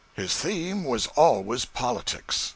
His theme was always politics.